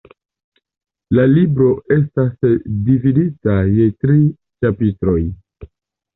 La libro estas dividita je tri ĉapitroj.